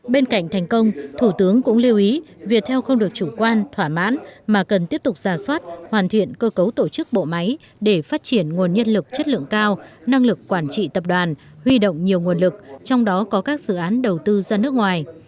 bên cạnh thành công thủ tướng cũng lưu ý việt theo không được chủ quan thỏa mãn mà cần tiếp tục giả soát hoàn thiện cơ cấu tổ chức bộ máy để phát triển nguồn nhân lực chất lượng cao năng lực quản trị tập đoàn huy động nhiều nguồn lực trong đó có các dự án đầu tư ra nước ngoài